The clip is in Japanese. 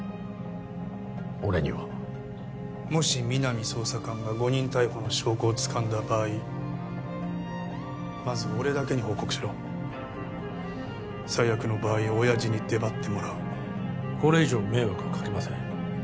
俺にはもし皆実捜査官が誤認逮捕の証拠をつかんだ場合まず俺だけに報告しろ最悪の場合親父に出張ってもらうこれ以上迷惑はかけません